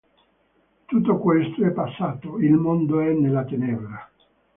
Tutto questo è passato, il mondo è nella tenebra".